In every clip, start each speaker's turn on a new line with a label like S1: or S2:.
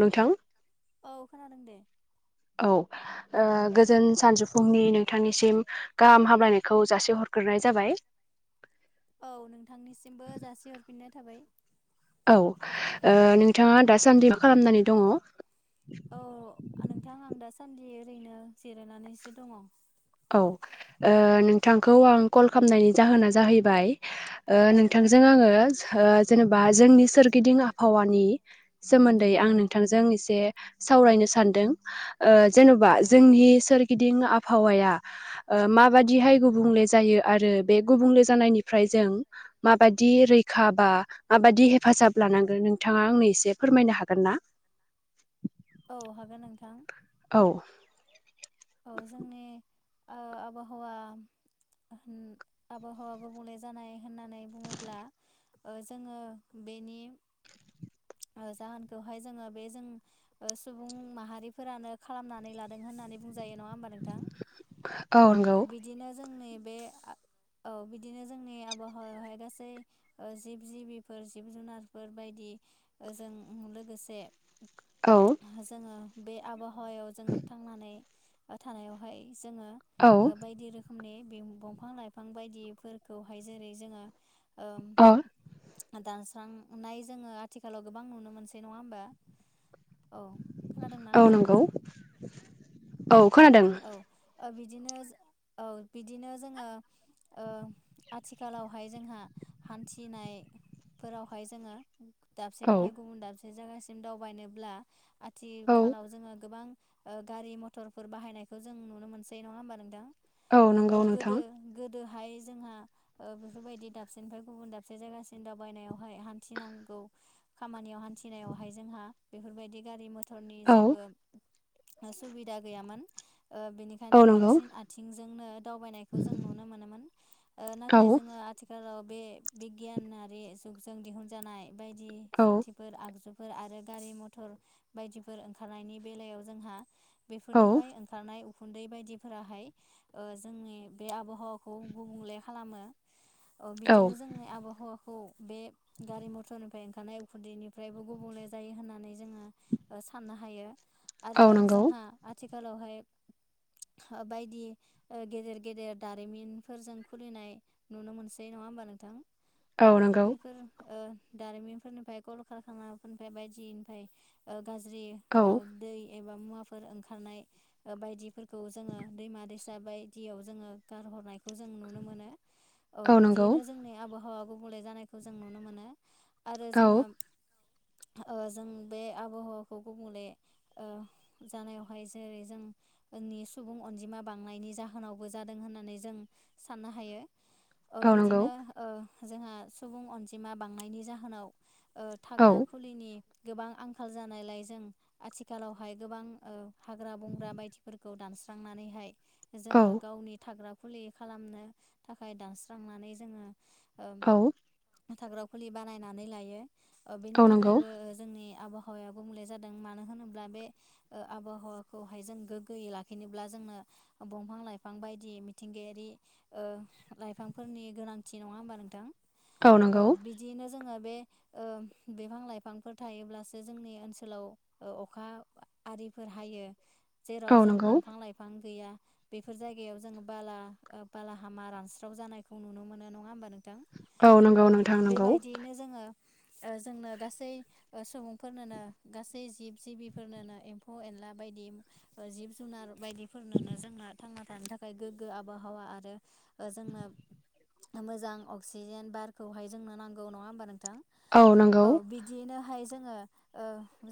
S1: नोंथां
S2: औ खोनादों दे
S1: औ ओ गोजोन सानजौफुंनि नोंथांनि सिम गाहाम हामलायनायखौ जासि हरग्रोनाय जाबाय
S2: औ नोंथांनिसिमबो जासिहरफिननाय थाबाय
S1: औ ओ नोंथाङा दासान्दि मा खालामनानै दङ
S2: औ नोंथां आं दासान्दि ओरैनो जिरायनानैसो दङ
S1: औ ओ नोंथांखौ आं कल खालामनायनि जाहोना जाहैबाय ओ
S2: औ
S1: नोंथांजों आङो जेनेबा जोंनि सोरगिदिं आबहावानि सोमोन्दै आं नोंथांजों एसे सावरायनो सानदों ओ जेन'बा
S2: औ
S1: जोंनि सोरगिदिं आबहावाया ओ माबादिहाय गुबुंले जायो आरो बे गुबुंले जानायनिफ्राय जों माबायदि रैखाबा माबादि हेफाजाब लानांगोन नोंथाङा आंनो एसे फोरमायनो हागोन ना
S2: औ हागोन नोंथां
S1: औ
S2: औ जोंनि ओ आबहावा आबहावा गुबुंले जानाय होननानै बुङोब्ला ओ जोङो बेनि जाहोनखौहाय जोङो बे जों ओ सुबुं माहारिफोरानो खालामनानै लादों होननानै बुंजायो नङा होमबा नोंथां औ बिदिनो जोंनि बे औ बिदिनो जोंनि आबहावायावहाय गासै ओ जिब जिबिफोर जिब जुनारफोर बायदि जों लोगोसे
S1: औ
S2: जोङो बे आबहावायाव जों थांनानै थानायावहाय जोङो
S1: औ
S2: बायदि रोखोमनि बंफां लाइफां बायदिफोरखौहाय जेरै जोङो ओम
S1: औ
S2: दानस्रांनाय जोङो आथिखालाव गोबां नुनो मोनसै नङा होमबा औ खोनादोंना
S1: औ
S2: नोंथां?
S1: नंगौ औ खोनादों।
S2: औ बिदिनो औ बिदिनो जोङो आथिखालावहाय जोंहा हान्थिनायफोरावहाय जोङो
S1: औ
S2: दाबसेनिफ्राय गुबुन दाबसे जायगासिम दावबायनोब्ला
S1: औ
S2: आथिखालाव जोङो गोबां गारि मथरफोर बाहायनायखौ जों नुनो मोनसै नङा होमबा नोंथां? औ
S1: नंगौ नोंथां
S2: गोदो गोदोहाय जोंहा बेफोरबायदि दाबसेनिफ्राय गुबुन दाबसे जायगासिम दावबायनायावहाय हान्थिनांगौ खामानियाव हान्थिनायावहाय जोंहा बेफोरबायदि गारि मथर मथरनि
S1: औ
S2: जेबो सुबिदा गैयामोन
S1: औ
S2: बेनिखायनो
S1: नंगौ
S2: बांसिन आथिंजोंनो दावबायनायखौ जों नुनो मोनोमोन नाथाय
S1: औ
S2: जोङो आ आथिखालाव बे बिगियानारि जुगजों दिहुनजानाय बायदि
S1: औ
S2: जुन्थि फोर आगजुफोर आरो गारि मथर बायदिफोर ओंखारनायनि बेलायाव जोंहा
S1: औ
S2: बेफोरनिफ्राय ओं खारनाय उखुन्दै बायदिफोराहाय जोंनि बे आबहावाखौ गुबुंले खालामो। औ बिदिनो जोंनि आबहावा खौ बे गारि मथरनिफ्राय ओंखारनाय उखुन्दैनिफ्रायबो गुबुंले जायो होननानै जोङो साननो हायो आरो
S1: औ नंगौ
S2: जोंहा आथिखालावहाय बायदि गेदेर गेदेर दारिमिनफोर जों खुलिनाय नुनो मोनसै नङा होमबा नोंथां? औ बैफोर दारिमिनफोरनिफ्राय कल खारखानाफोरनिफ्राय बायदिनिफ्राय गाज्रि
S1: औ
S2: दै एबा मुवाफोर ओंखारनाय बायदिफोरखौ जोङो दैमा दैसा बायदियाव जोङो गारहरनायखौ जों नुनो मोनो।
S1: [inaudible]
S2: औ बिदियैनो जोंनि आबहावा गुबुंले जानायखौ जों नुनो मोनो। आरो जोङो
S1: औ
S2: जों बे आबहावाखौ गुबुंले ओ जानायावहाय जेरै जों जोंनि सुबुं अनजिमा बांनायनि जाहोनावबो जादों होननानै जों साननो हायो।
S1: औ नंगौ
S2: बिदिनो जोंहा सुबुं अनजिमा बांनायनि जाहोनाव
S1: औ
S2: थाग्रा खुलिनि गोबां आंखाल जानायलाय जों आथिखालावहाय गोबां ओ हाग्रा बंग्रा बायदिफोरखौ दानस्रांनानैहाय जोङो
S1: औ
S2: गावनि थाग्रा खुलि खालामनो थाखाय दानस्रांनानै जोङो
S1: औ
S2: थाग्राव खुलि बानायनानै लायो बेनि
S1: औ नंगौ
S2: थाखायबो जोंनि आबहावा आबहावाया बुंले जादों मानो होनोब्ला बे आबहावा हाखौहाय जों गोगोयै लाखिनोब्ला जोंनो दंफां लाइफां बायदि मिथिंगायारि ओ लाइफांफोरनि गोनांथि नङा होमबा नोंथां? औ बिदि बिदियैनो जोङो बे बिफां लाइफांफोर थायोब्लासो जोंनि ओनसोलाव अखा आरि फोर हायो जेराव
S1: औ
S2: जों
S1: नंगौ
S2: दंफां लाइफां गैया बेफोर जायगायाव जोङ बाला बालाहामा रानस्राव जानायखौ नुनो मोनो नङा होमबा नोंथां? औ
S1: नंगौ नोंथां नंगौ
S2: बेबायदियैनो जोङो जोंनो गासै सुबुंफोरनोनो गासै जिब जिबिफोरनोनो एमफौ एनला बायदि जिब जुनार बायदिफोरनोनो जोंना थांना थानो थाखाय बे गोगो आबहावा आरो जोंनो मोजां अक्सिजेन बारखौहाय जोंनो नांगौ नङा होमबा नोंथां? औ बि बिदिनोहाय जोङो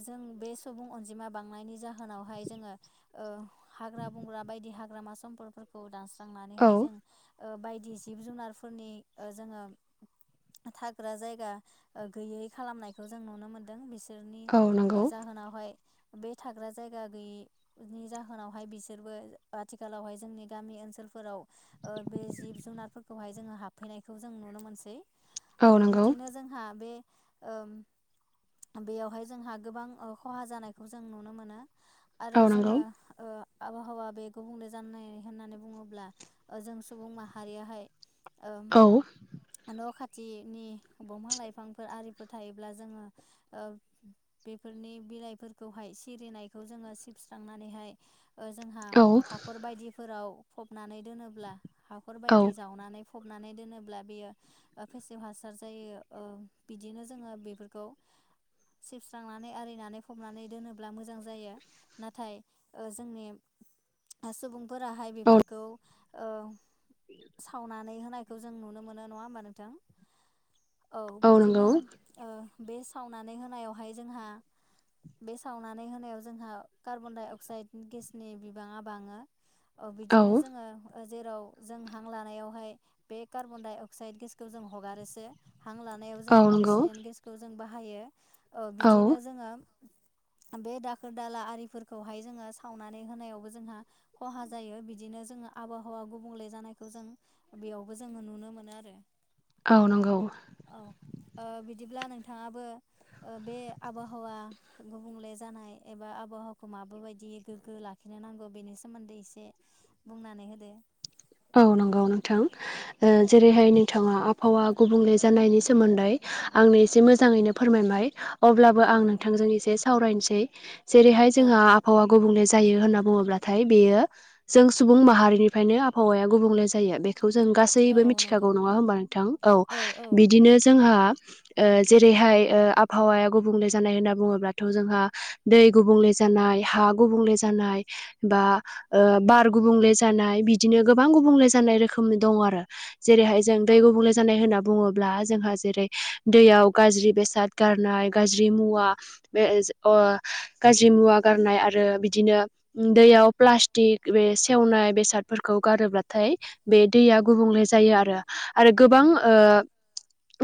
S2: जों बे सुबुं अनजिमा बांनायनि जाहोनाव जोङो ओ हाग्रा बांग्रा बायदि हाग्रामाफोरखौ सम्पदफोर खौ दानस्रांनानैहाय
S1: औ
S2: जों बायदि जिब जुनारफोरनि जोङो थाग्रा जायगा गैयै खालामनायखौ जों नुनो मोनदों बिस सोरनि
S1: औ नंगौ
S2: जाहोनावहाय बे थाग्रा जायगा गैयै नि जाहोनावहाय बिसोरबो आथिखालावहाय जोंनि गामि ओनसोलफोराव ओ बे जिब जुनारफोरखौहाय जोङो हाबफैनायखौ जों नुनो मोनसै औ बिदिनो जोंहा बे ओ ओम बेयावहाय जोंहा गोबां खहा जानायखौ जों नुनो मोनो
S1: औ
S2: आरो
S1: नंगौ
S2: जोङो ओ। आबहावा बे गुबुंले ज होननानै बुङोब्लाओ जों सुबुं माहारियाहाय ओं।
S1: औ
S2: न' खाथिनि बंफां लाइफांफोर आरिफोर थायोब्ला जोङो। ओग बेफोरनि बिलाइफोर खौहाय सिरिनायखौ जोङो सिबस्रांनानैहाय जोंहा
S1: औ
S2: हाखर बायदिफोराव फबनानै दोनोब्ला
S1: औ
S2: हाखरबायायदि जावनानै फबनानै दोनोब्ला बियो। फेसेव हासार जायो बिदिनो जोङो बेफोरखौ सिबस्रांनानै आरिनानै फब नानै दोनोब्ला मोजां जायो नाथाय जोंनि ओ सुबुंफोराहाय बेफोरखौ औ सावनानै होनायखौ जों नुनो मोनो नङा होमबा नोंथां। औ बिदिनो बे सावनानै होनायावहाय जोंहा बे सावनानै होनायाव जोंहा कार्बन डाइ अक्साइड गेसनि बिबाङा बाङो। औ बिदिनो जोङो जेराव जों हां लानायावहाय बे कार्बन डाइ अक्साइद गेसखौ जों हगारोसो हां लानायाव जों
S1: औ नंगौ
S2: अक्सिजेन गेसखौ जों बाहायो
S1: औ
S2: बिदिनो जोङो। बे दाखोर दाला आरिफोरखौहाय जोङो सावनानै होनायावबो जोंहा खहा जायो बिदिनो जोङो आबहावा गुबुंले जानायखौ जों बेयावबो जोङो नुनो मोनो आरो।
S1: औ नंगौ।
S2: औ बिदिब्ला नोंथाङाबो बे आबहावा गुबुंले जानाय एबा आबहावाखौ मा बायदि गोग्गो लाखिनो नांगौ बेनि सोमोन्दै एसे बुंनानै होदो।
S1: औ नंगौ नोंथां जेरैहाय बिथाङा आबहावा गुबुंले जानायनि सोमोन्दै आंनो एसे मोजाङैनो फोरमायबाय। अब्लाबो
S2: औ
S1: आं
S2: औ
S1: नोंथांजों एसे सावरायनोसै जेरैहाय जोंहा
S2: औ
S1: आबहावा गुबुंले जायो होनना बुङोब्लाथाय बेयो जों सुबुं माहारिनिफ्रायनो। आहावाया गुबुंले जायो बे खौ जों
S2: औ
S1: गासैबो मिथिखागौ
S2: नंगौ
S1: नङा होमबा नोंथां औ बिदिनो जोंहा जेरैहाय आबहावाया गुबुंले जानाय होनना बुङोब्लाथ' जोंहा दै गुबुंले जानाय हा गुबुंले जानाय बा बार गुबुंले जानाय बिदि बिदिनो गोबां गुबुंले जानाय रोखोमनि दङ आरो जेरैहाय जों
S2: औ
S1: दै गुबुंले जानाय होनना बुङोब्ला जोंहा जेरै दैयाव गाज्रि बेसाद गारनाय गाज्रि मुवा बे गाज्रि मुवा गारनाय आरो बिदि दैयाव प्लास्टिक बे सेवनाय बेसाद फोरखौ गारोब्लाथाय बे दैया गुबुंले जायो आरो आरो गोबां।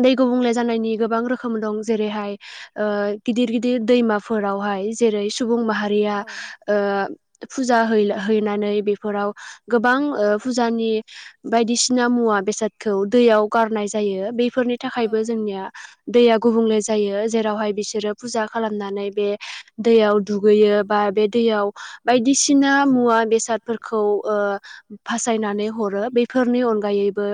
S1: दै गुबुंले जानायनि गोबां रोखोम दं जेरैहाय गिदिर गिदिर दैमाफोरावहाय जेरै सुबुं माहारि
S2: औ
S1: फुजा है-हैनानै बेफोराव गोबां फुजानि ओ बायदिसिना मुवा बेसादखौ दैयाव गारनाय जायो बेफोरनि
S2: औ
S1: थाखायबो जोंनिया। दैया गुबुंले जायो जेरावहाय बिसोरो फुजा खालामनानै बे दैयाव दुगैयो बा बे दैयाव बायदिसिना मुवा बेसादफोरखौ फासायनानै हरो बे फोरनि अनगायैबो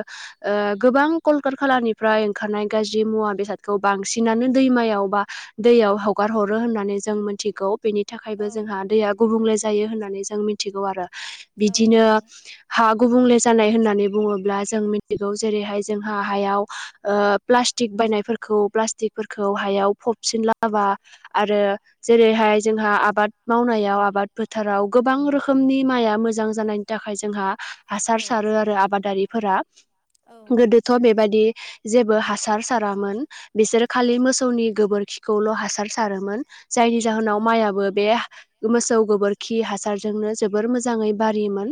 S1: गोबां कलकात खालानिफ्राय ओंखारनाय गाज्रि मुवा बेसादफोर खौ बांसिनानो दैमायाव बा दैयाव हगार हरो होननानै जों मिथिगौ। बेनि थाखायबो
S2: औ
S1: जोंहा दैया गुबुंले जायो होननानै जों मिथिगौ आरो
S2: औ
S1: बिदिनो
S2: नंगौ
S1: हा गुबुंले जानाय होननानै बुङोब्ला जों जेरैहाय जोंहा हायाव ओ प्लासटिक बायनायफोर फोरखौ हायाव फबसिनलाबा आरो जेरैहाय जोंहा आबाद मावनायाव आबाद फोथाराव गोबां रोखोमनि माइआ मोजां जानाय थाखाय जोंहा हासार सारो आरो आबादारिफोरा गोदो थ' बेबायदि जेबो हासार सारामोन। बिसोरो खालि मोसौनि गोबोरखिखौल' हासार सारोमोन। जायनि जाहोनाव माइआबो बे मोसौ गोबोरखि हासार नो जोबोर मोजाङै बारियोमोन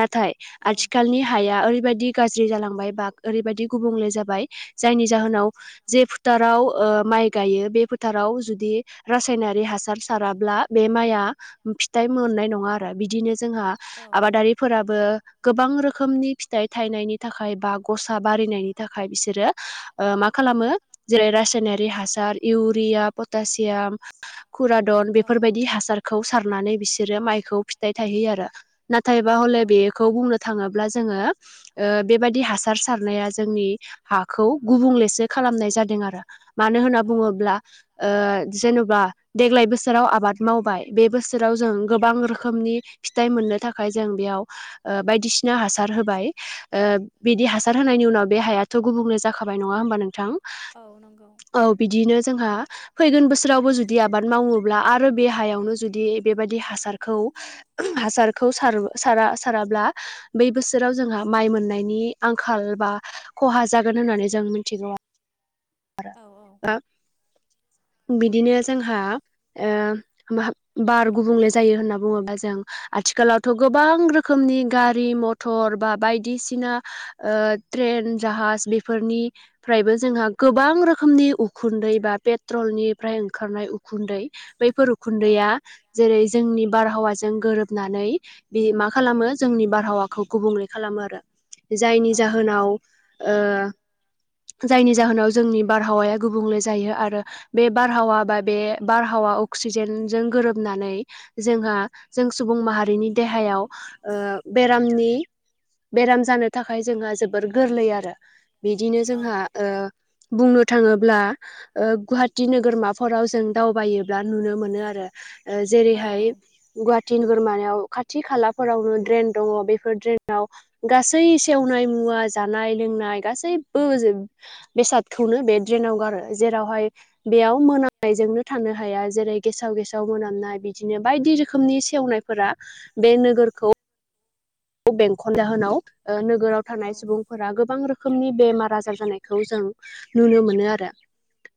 S1: नाथाय आथिखालनि हाया ओरैबायदि गाज्रि जालांबाय बा ओरैबायदि गुबुंले जाबाय जायनि जाहोनाव जे फोथाराव माइ गायो बे फो फोथाराव जुदि रासायनारि हासार साराब्ला बे माइआ फिथाइ मोननाय नङा आरो बिदिनो जोंहा
S2: नङा आरो बिदिनो जोंहा
S1: आबादारिफोराबो गोबां रोखोमनि फिथाइ थाइनायनि थाखाय बा गसा बारिनायनि थाखाय बिसोरो मा खालामो जेरै रासायनारि हासार इउरिया पटासियाम खुरादन बेफोरबायदि हासार मतखौ सारनानै बिसोरो माइखौ फि आरो नाथायबा हले बेखौ बुंनो थाङोबा जोङो बेबादि हासार हासार सारनाया जोंनि हाखौ गुबुंलेसो खालामनाय जादों आरो मानो होनना बुङोब्ला जेन'बा देग्लाय बोसोराव आबाद मावबाय बे बोसोराव जों गोबां रोखोमनि फिथाइ मोननो थाखाय जों बेयाव बायदिसिना बिना हासार होबाय बिदि हासार होनायनि उनाव बे हायाथ' गुबुंल जाखाबाय नङा होमबा नोंथां?
S2: औ नंगौ।
S1: औ बिदिनो जोंहा फैगोन बोसोरावबो जुदि आबाद मावोब्ला आरो दे हायावनो जुदि बेबायदि हासारखौ हासारखौ सारो साराब्ला बै बोसोराव जोंहा माइ मोननायनि आंखाल बा खहा जागोन होननानै जों मिथिगौ
S2: औ औ
S1: बिदिनो जोंहा बार गुबुंले जायो होनना बुङोबा जों आथिखालावथ' गोबां रोखोमनि गारि मथर बा बायदिसिना ओ ट्रेन जाहाज बेफोरनिफ्रायबो जोंहा गोबां रोखोमनि उखुन्दै बाे पेट्रलनिफ्राय ओंखारनाय उखुन्दै बैफोर
S2: औ
S1: गैया। जेरै जोंनि बारहावाजों गोरोबनानै बे मा खालामो जोंनि बारहावाखौ गुबुंले खालामो आरो जायनि
S2: औ
S1: जाहोनाव जायनि जाहोनाव जोंनि बारहावाया गुबुंले जायो आरो बे बारहावा बा बे बारहावा अक्सिजेनजों गोरोबनानै जोंहा जों सुबुं माहारिनि देहायाव बेरामनि बेराम जानो थाखाय जोंहा जोबोर गोरलै आरो बिदिनो जोंहा ओ बुंनो थाङोब्ला गुवाहाटि नोगोरमाफोराव जों दावबायोब्ला नुनो मोनो आरो
S2: औ
S1: जेरैहाय गुवाहाटि नोगोरमानायाव खाथि खालाफोरावनो ड्रेन दङ बेफोर ड्रेनाव गासै सेवनाय मुवा जानाय लोंनाय गासैबो बेसादखौनो बे ड्रेनाव गारो जेरावहाय बेयाव मोनामनायजोंनो थानो हाया जेरै गेसाव गेसाव मोनामनाय बिदि बिदिनो बायदि रोखोमनि सेवनायफोरा बे नोगोरखौ बेंखन जाहोनाव नोगोराव थानाय सुबुं फोरा गोबां रोखोमनि बेमार आजार जानायखौ जों नुनो मोनो आरो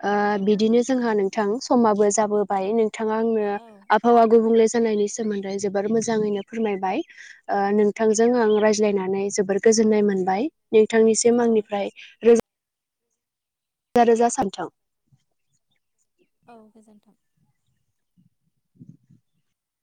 S1: ओ बिदिनो जोंहा नोंथां समाबो जाबोबाय नोंथाङा आंनो
S2: औ
S1: आबहावा गुबुंले जानायनि सोमोन्दै जोबोर मोजाङैनो फोरमायबाय ओ नों थांजों आं रायज्लायनानै जोबोर गोजोननाय मोनबाय नोंथांनिसिम
S2: औ
S1: आंनिफ्राय रोजा रोजा सा नोंथां
S2: औ गोजोन्थों